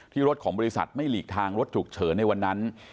รถของบริษัทไม่หลีกทางรถฉุกเฉินในวันนั้น